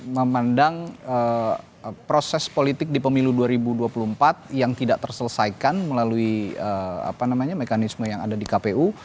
memandang proses politik di pemilu dua ribu dua puluh empat yang tidak terselesaikan melalui mekanisme yang ada di kpu